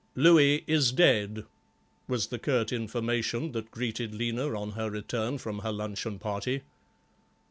"Louis is dead," was the curt information that greeted Lena on her return from her luncheon party.